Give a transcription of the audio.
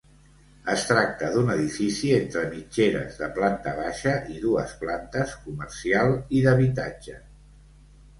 Es tracta d'un edifici entre mitgeres de planta baixa i dues plantes, comercial i d'habitatge.